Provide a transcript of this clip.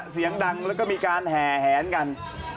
เสียงดังแล้วก็มีการแห่แหนกัน